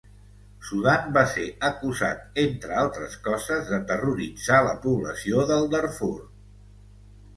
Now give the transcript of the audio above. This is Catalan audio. Sudan va ser acusat, entre altres coses, de terroritzar la població del Darfur.